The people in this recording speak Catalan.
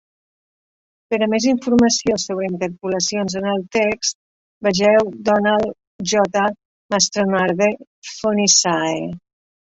Per a més informació sobre interpolacions en el text, vegeu Donald J. Mastronarde, "Phoenissae".